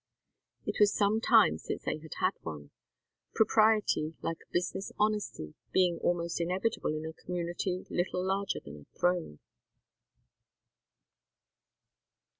It was some time since they had had one; propriety, like business honesty, being almost inevitable in a community little larger than a throne.